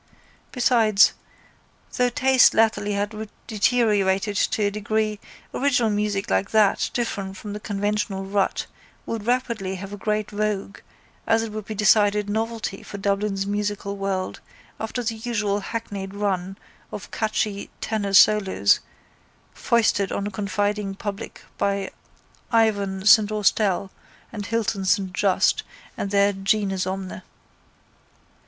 Besides, though taste latterly had deteriorated to a degree, original music like that, different from the conventional rut, would rapidly have a great vogue as it would be a decided novelty for Dublin's musical world after the usual hackneyed run of catchy tenor solos foisted on a confiding public by Ivan St Austell and Hilton St Just and their genus omne.